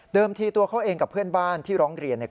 ทีตัวเขาเองกับเพื่อนบ้านที่ร้องเรียนเนี่ย